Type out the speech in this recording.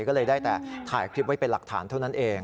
ก็เลยได้แต่ถ่ายคลิปไว้เป็นหลักฐานเท่านั้นเอง